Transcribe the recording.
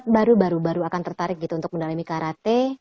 baru baru baru akan tertarik buat menalami karate